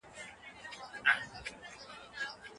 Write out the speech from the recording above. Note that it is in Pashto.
که په ټولګي کي تودوخه برابره نه وي نو ماشومان ژر ستړي کېږي.